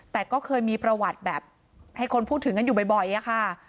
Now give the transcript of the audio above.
แต่ก็เคยมีประวัติแบบให้คนพูดถึงกันอยู่บ่อยอะค่ะ